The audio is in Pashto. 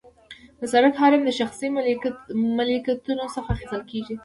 د سرک حریم د شخصي ملکیتونو څخه اخیستل کیږي